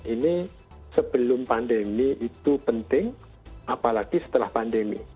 ini sebelum pandemi itu penting apalagi setelah pandemi